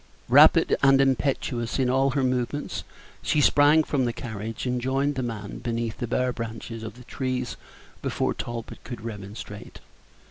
Rapid and impetuous in all her movements, she sprang from the carriage, and joined the man beneath the bare branches of the trees before Talbot could remonstrate.